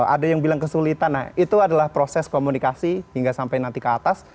ada yang bilang kesulitan nah itu adalah proses komunikasi hingga sampai nanti ke atas